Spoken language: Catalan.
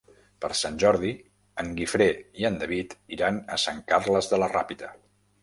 Per Sant Jordi en Guifré i en David iran a Sant Carles de la Ràpita.